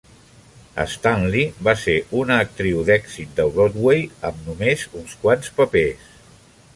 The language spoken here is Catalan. Stanley va ser una actriu d'èxit de Broadway amb només uns quants papers.